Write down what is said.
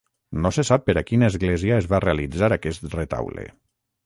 No se sap per a quina església es va realitzar aquest retaule.